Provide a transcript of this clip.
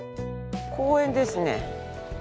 公園ですね。